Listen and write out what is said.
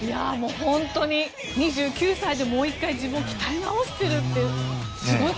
本当に２９歳でもう１回、自分を鍛え直しているという。